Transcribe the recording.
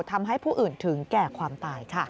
ทำให้ผู้อื่นถึงแก่ความตายค่ะ